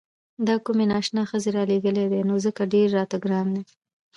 دا کومې نا اشنا ښځې رالېږلي دي نو ځکه ډېر راته ګران دي.